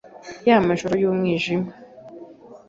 Ya majoro y’umwijima